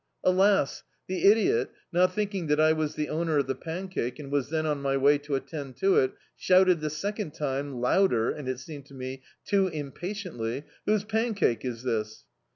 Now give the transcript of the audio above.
Alas! the idiot, not thinldng that I was the owner of the pan cake, and was then on my way to attend to it, shouted the second time, louder, and it seemed to me, too impatiently — "Whose pancake is this?"